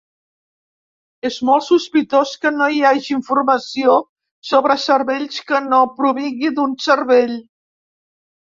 És molt sospitós que no hi hagi informació sobre cervells que no provingui d'un cervell.